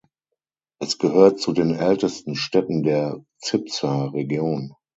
Es gehört zu den ältesten Städten der Zipser Region.